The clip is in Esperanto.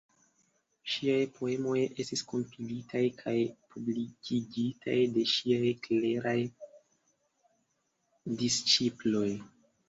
Ŝiaj poemoj estis kompilitaj kaj publikigitaj de ŝiaj kleraj disĉiploj.